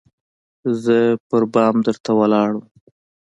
زه په بام درته ولاړه وم